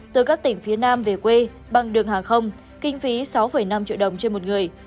từ các tỉnh phía nam về quê bằng đường hàng không kinh phí sáu năm triệu đồng trên một người